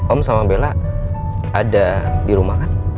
om sama bella ada di rumah kan